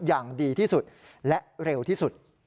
อย่างดีที่สุดและเร็วที่สุด